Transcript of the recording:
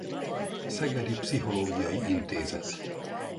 Szegedi Pszichológiai Intézet